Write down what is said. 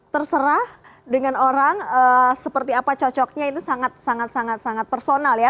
terserah dengan orang seperti apa cocoknya itu sangat sangat personal ya